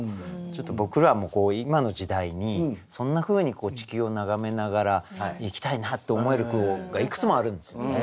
ちょっと僕らも今の時代にそんなふうに地球を眺めながら生きたいなって思える句がいくつもあるんですよね。